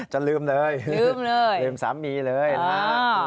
จะลืมเลยลืมสามีเลยนะครับ